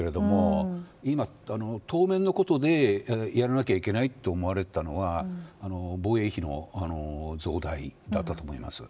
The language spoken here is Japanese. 今当面のことでやらなきゃいけないと思われたのは防衛費の増大だったと思います。